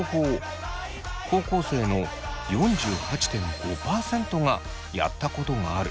高校生の４８．５％がやったことがある